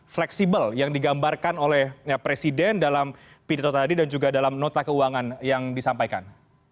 fleksibel yang digambarkan oleh presiden dalam pidato tadi dan juga dalam nota keuangan yang disampaikan